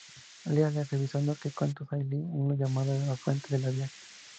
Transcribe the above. Leela, revisando que cuentos hay lee uno llamado "La fuente de la vejez".